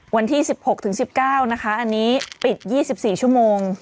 วันที่๑๖๑๙อันนี้ปิด๒๔ชั่วโมง